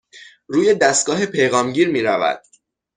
روی دستگاه پیغام گیر می رود.